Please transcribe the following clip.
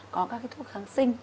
có các cái thuốc kháng sinh